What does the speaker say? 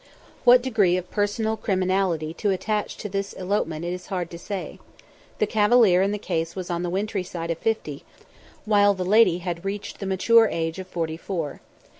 What degree of personal criminality to attach to this elopement it is hard to say. The cavalier in the case was on the wintry side of fifty, while the lady had reached the mature age of forty four.